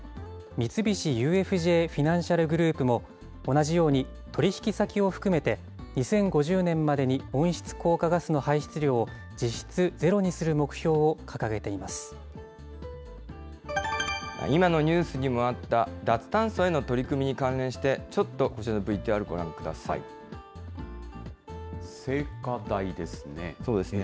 三菱ＵＦＪフィナンシャル・グループも、同じように、取り引き先を含めて２０５０年までに温室効果ガスの排出量を実質今のニュースにもあった、脱炭素への取り組みに関連して、ちょっとこちらのＶＴＲ、ご覧く聖火台ですね。